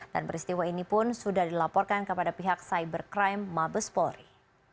dan peristiwa ini pun sudah dilaporkan kepada pihak cybercrime mabes polri